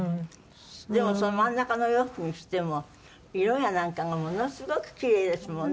その真ん中のお洋服にしても色やなんかがものすごく奇麗ですもんね。